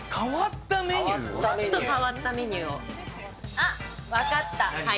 あっ、分かった。